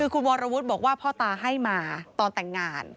คือคุณวรวุฒิบอกว่าพ่อตาให้มาตอนแต่งงาน